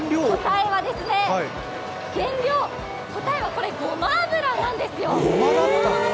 答えは、これ、ごま油なんですよ。